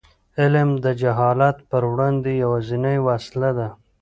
علم د جهالت پر وړاندې یوازینۍ وسله ده.